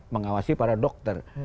mengawasi para dokter